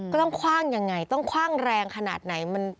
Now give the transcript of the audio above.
ก็ต้องคว้างอย่างไรต้องคว้างแรงขนาดไหน